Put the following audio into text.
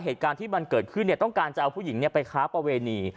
เหตุการณ์ที่มันเกิดขึ้นต้องการจะเอาผู้หญิงไปค้าประเวณี